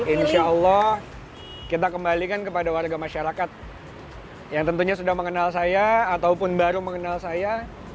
insya allah kita kembalikan kepada warga masyarakat yang tentunya sudah mengenal saya ataupun baru mengenal saya